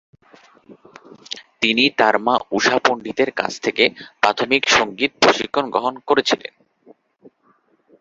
তিনি তাঁর মা ঊষা পণ্ডিতের কাছ থেকে প্রাথমিক সংগীত প্রশিক্ষণ গ্রহণ করেছিলেন।